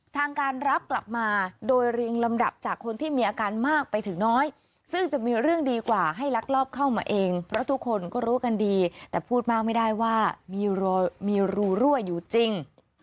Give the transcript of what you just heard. ทางการรับกลับมาโดยเรียงลำดับจากคนที่มีอาการมากไปถึงน้อยซึ่งจะมีเรื่องดีกว่าให้ลักลอบเข้ามาเองเพราะทุกคนก็รู้กันดีแต่พูดมากไม่ได้ว่ามีรูรั่วอยู่จริง